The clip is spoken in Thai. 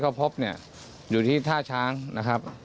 ลอยไปที่ชาช้างครับ